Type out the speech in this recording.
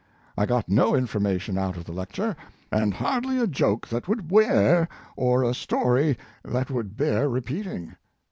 I got no information out of the lecture, and hardly a joke that would wear, or a story that would bear IT 8 Mark Twain repeating.